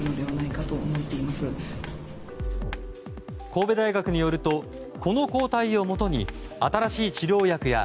神戸大学によるとこの抗体をもとに新しい治療薬や